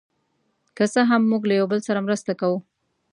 که څه هم، موږ له یو بل سره مرسته کوو.